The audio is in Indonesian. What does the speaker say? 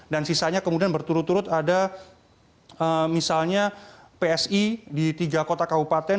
dan sisanya kemudian berturut turut ada misalnya psi di tiga kota kau paten